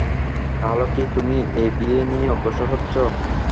তাহলে কি তুমি এই বিয়ে নিয়ে অগ্রসর হচ্ছ?